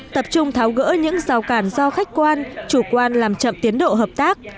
tập trung tháo gỡ những rào cản do khách quan chủ quan làm chậm tiến độ hợp tác